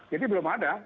jadi belum ada